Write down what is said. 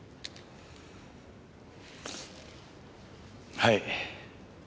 はい。